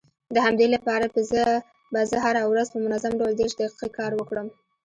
د همدې لپاره به زه هره ورځ په منظم ډول دېرش دقيقې کار وکړم.